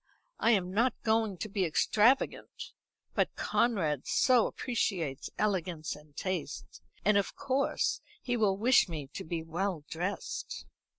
I am not going to be extravagant, but Conrad so appreciates elegance and taste; and of course he will wish me to be well dressed."